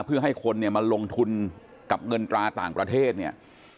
เพื่อให้คนเนี่ยมาลงทุนกับเงินตราต่างประเทศเนี่ย